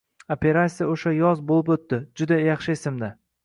Operasiya o`sha yoz bo`lib o`tdi, juda yaxshi esimda